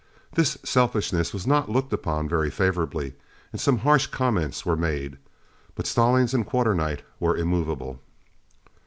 This selfishness was not looked upon very favorably, and some harsh comments were made, but Stallings and Quarternight were immovable.